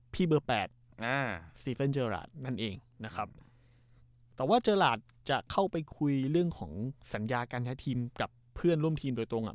พี่เบอร์แปดอ่าซีเฟนเจอร์ราชนั่นเองนะครับแต่ว่าเจอราชจะเข้าไปคุยเรื่องของสัญญาการใช้ทีมกับเพื่อนร่วมทีมโดยตรงอ่ะ